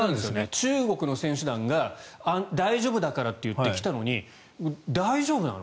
中国の選手団が大丈夫だからって来たのに大丈夫なの？